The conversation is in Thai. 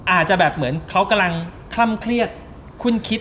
อาจจะแบบเหมือนเขากำลังคล่ำเครียดคุ้นคิด